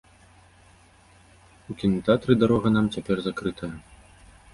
У кінатэатры дарога нам цяпер закрытая.